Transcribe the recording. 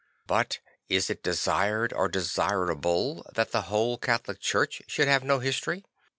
But is it desired or desirable that the whole Catholic Church should have no history?